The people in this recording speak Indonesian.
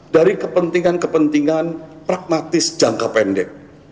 dari kepentingan kepentingan pragmatis jangka pendek